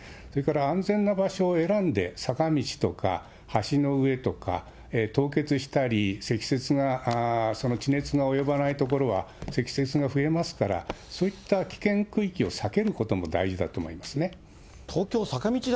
それから安全な場所を選んで、坂道とか、橋の上とか凍結したり積雪が、その地熱の及ばない所は積雪が増えますから、そういった危険区域を避けることも大事だと思いますね。